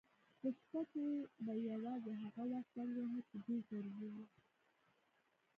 په شپه کې به یې یوازې هغه وخت زنګ واهه چې ډېر ضروري و.